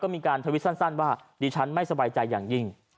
มีการทวิตสั้นว่าดิฉันไม่สบายใจอย่างยิ่ง